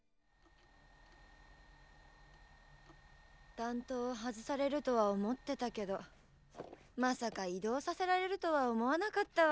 担当を外されるとは思ってたけどまさか異動させられるとは思わなかったわ。